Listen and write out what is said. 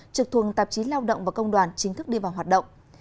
trực thuộc tạp chí lao động và công đoàn chính thức đi vào hoạt động